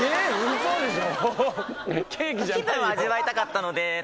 嘘でしょ？